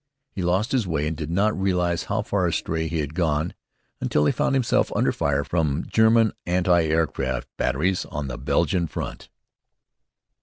He lost his way and did not realize how far astray he had gone until he found himself under fire from German anti aircraft batteries on the Belgian front.